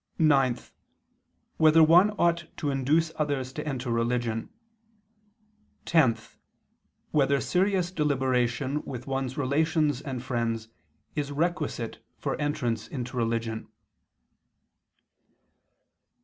(9) Whether one ought to induce others to enter religion? (10) Whether serious deliberation with one's relations and friends is requisite for entrance into religion?